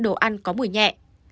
đồ ăn có mùi nhẹ